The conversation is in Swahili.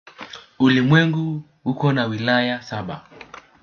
Ulimwengu uko na wilaya saba.